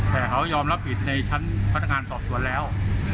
แต่เขายอมรับผิดในชั้นพนักงานสอบสวนแล้ว